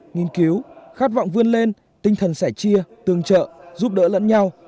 nghiên cứu khát vọng vươn lên tinh thần sẻ chia tương trợ giúp đỡ lẫn nhau